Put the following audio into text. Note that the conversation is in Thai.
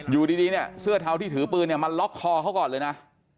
อยู่ดีเนี่ยเสื้อเทาที่ถือปืนเนี่ยมาล็อกคอเขาก่อนเลยนะ